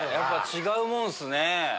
違うもんすね。